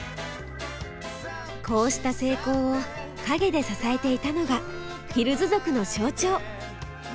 こうした成功を陰で支えていたのがヒルズ族の象徴！